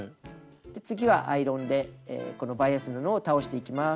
次はアイロンでこのバイアス布を倒していきます。